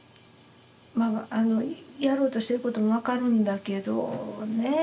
やろうとしてることも分かるんだけどねえ